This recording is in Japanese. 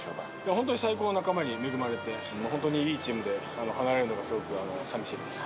本当に最高の仲間に恵まれて、本当にいいチームで離れるのがすごくさみしいです。